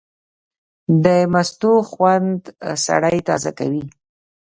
د مستو خوند سړی تازه کوي.